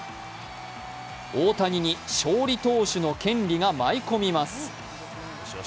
大谷に勝利投手の権利が舞い込みます。